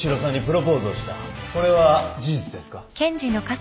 これは事実ですか？